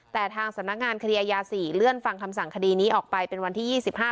แต่ทางสำนักงานคดีอายา๔เลื่อนฟังคำสั่งคดีนี้ออกไปเป็นวันที่๒๕